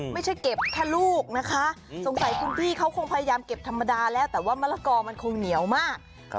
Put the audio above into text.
ไม่ใช่เก็บแค่ลูกนะคะสงสัยคุณพี่เขาคงพยายามเก็บธรรมดาแล้วแต่ว่ามะละกอมันคงเหนียวมาก